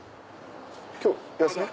今日休み？